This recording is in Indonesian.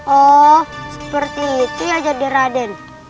oh seperti itu ya jadi raden